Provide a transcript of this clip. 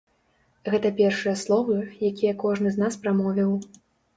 Гэта першыя словы, якія кожны з нас прамовіў.